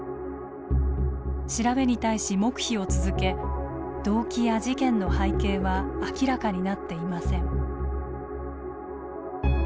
調べに対し黙秘を続け動機や事件の背景は明らかになっていません。